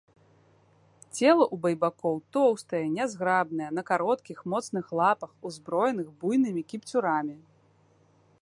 Цела ў байбакоў тоўстае, нязграбнае, на кароткіх, моцных лапах, узброеных буйнымі кіпцюрамі.